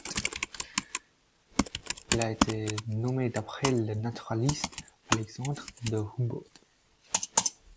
Il a été nommé d'après le naturaliste Alexandre de Humboldt.